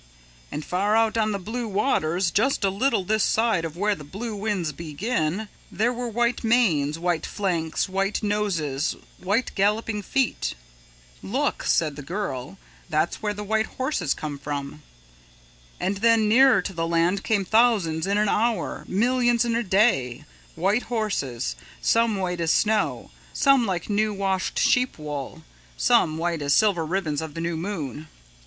"And far out on the blue waters, just a little this side of where the blue winds begin, there were white manes, white flanks, white noses, white galloping feet. "'Look!' said the Girl, 'that's where the white horses come from.' "And then nearer to the land came thousands in an hour, millions in a day, white horses, some white as snow, some like new washed sheep wool, some white as silver ribbons of the new moon.